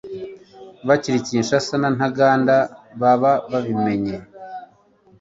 bakiri Kinshasa ba Ntaganda baba babimenye